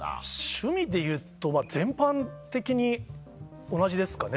趣味でいうと全般的に同じですかね。